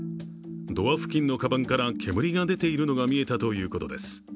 ドア付近のかばんから煙が出ているのが見えたということです。